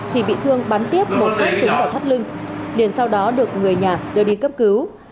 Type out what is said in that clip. thì bị thương bắn tiếp một phút xính vào thắt lưng liền sau đó được người nhà đưa đi cấp cứu